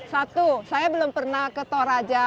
satu saya belum pernah ke toraja